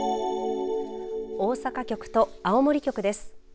大阪局と青森局です。